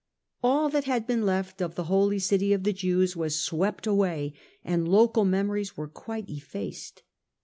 All that had been left of the Holy City of the Jews was swept away, and local memories were quite effaced.